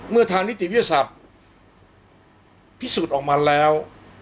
ทางนิติวิทยาศาสตร์พิสูจน์ออกมาแล้ว